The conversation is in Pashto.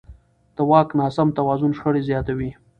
د واک ناسم توازن شخړې زیاتوي